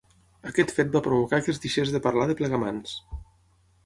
Aquest fet va provocar que es deixés de parlar de Plegamans.